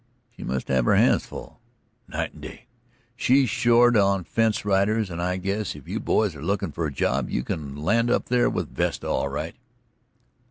"She must have her hands full." "Night and day. She's short on fence riders, and I guess if you boys are lookin' for a job you can land up there with Vesta, all right."